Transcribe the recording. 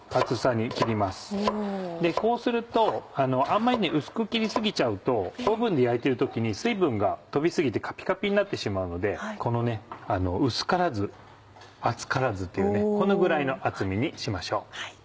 あんまり薄く切り過ぎちゃうとオーブンで焼いてる時に水分が飛び過ぎてカピカピになってしまうのでこの薄からず厚からずっていうこのぐらいの厚みにしましょう。